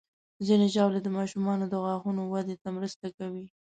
ځینې ژاولې د ماشومانو د غاښونو وده ته مرسته کوي.